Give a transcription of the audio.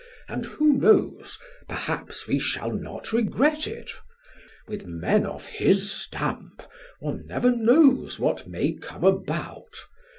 And who knows? Perhaps we shall not regret it! With men of his stamp one never knows what may come about.